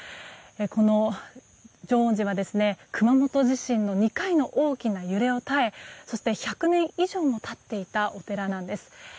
この浄恩寺は熊本地震の２回の大きな揺れに耐えそして、１００年以上も立っていたお寺なんです。